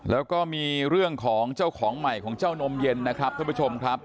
แล้วก็มีเรื่องของเจ้าของใหม่ของเจ้านมเย็นนะครับท่านผู้ชมครับ